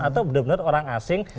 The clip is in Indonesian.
atau benar benar orang asing